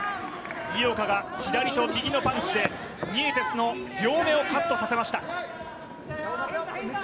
井岡が左と右のパンチで、ニエテスの両目をカットさせました。